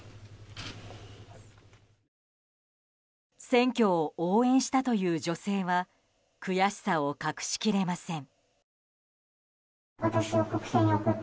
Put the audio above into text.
選挙を応援したという女性は悔しさを隠し切れません。